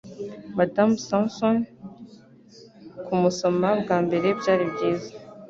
Madamu Sampson kumusoma bwa mbere byari byiza